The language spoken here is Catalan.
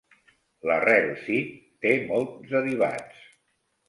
L'arrel "sidq" té molts derivats.